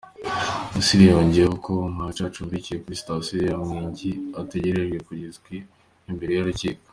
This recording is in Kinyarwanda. Musili yongeyeho ko Mwatha acumbikiwe kuri sitasiyo ya Mwingi ategereje kugezwa imbere y’urukiko.